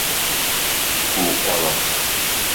Ò kàwà.